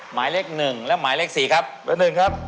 หมายเลข๑และหมายเลข๔ครับ